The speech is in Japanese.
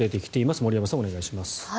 森山さん、お願いします。